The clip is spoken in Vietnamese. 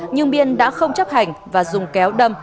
nhưng biên đã không chấp hành và dùng kéo đâm